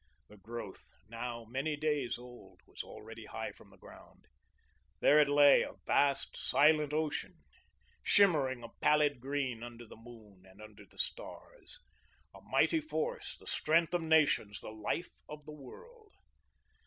The growth, now many days old, was already high from the ground. There it lay, a vast, silent ocean, shimmering a pallid green under the moon and under the stars; a mighty force, the strength of nations, the life of the world.